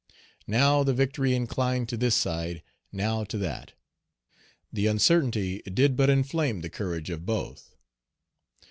Now the victory inclined to this side, now to that. The uncertainty did but inflame the courage of both.